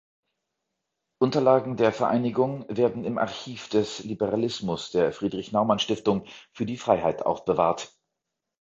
Unterlagen der Vereinigung werden im Archiv des Liberalismus der Friedrich-Naumann-Stiftung für die Freiheit aufbewahrt.